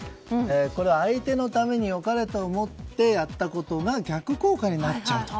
これは相手のために良かれと思ってやったことが逆効果になっちゃうと。